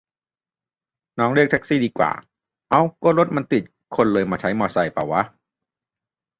น้องเรียกแท็กซี่ดีกว่า เอ๊า ก็รถมันติดคนเลยมาใช้มอไซค์ปะวะ